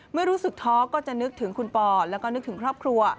เมื่อรู้สึกท้อก็จะนึกถึงคุณปอแล้วก็นึกถึงครอบครัว